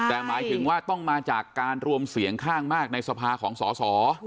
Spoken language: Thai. แต่หมายถึงว่าต้องมาจากการรวมเสียงข้างมากในสภาของสอสอ